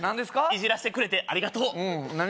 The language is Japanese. いじらしてくれてありがとううん何？